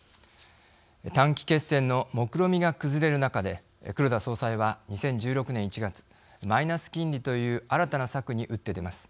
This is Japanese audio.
短期決戦のもくろみが崩れる中で黒田総裁は２０１６年１月マイナス金利という新たな策に打って出ます。